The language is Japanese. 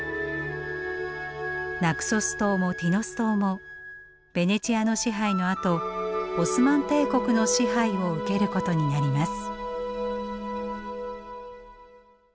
ナクソス島もティノス島もベネチアの支配のあとオスマン帝国の支配を受けることになります。